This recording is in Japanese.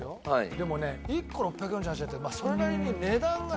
でもね１個６４８円ってそれなりに。